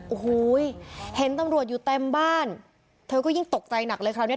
โอ้โหเห็นตำรวจอยู่เต็มบ้านเธอก็ยิ่งตกใจหนักเลยคราวเนี้ย